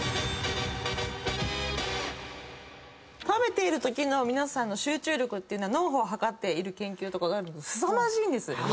食べているときの皆さんの集中力っていうのは脳波を測っている研究とかすさまじいんです。